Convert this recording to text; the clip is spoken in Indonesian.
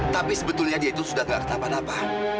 tapi sebetulnya dia itu sudah ga kenapa napa